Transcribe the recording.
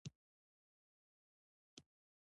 عمومي آوازه وه ابدالي ډهلي ته راغلی دی.